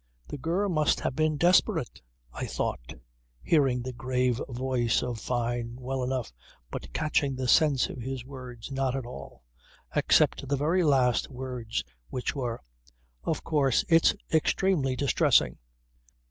The girl must have been desperate, I thought, hearing the grave voice of Fyne well enough but catching the sense of his words not at all, except the very last words which were: "Of course, it's extremely distressing."